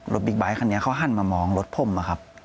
บิ๊กไบท์คันนี้เขาหันมามองรถผมอะครับ